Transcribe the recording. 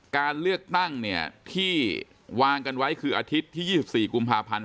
การเลือกตั้งที่วางกันไว้คืออาทิตย์ที่๒๔กุมภาพันธ์